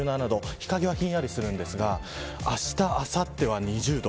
日陰は、ひんやりするんですがあした、あさっては２０度。